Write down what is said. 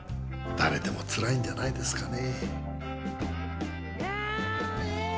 誰でもつらいんじゃないですかね。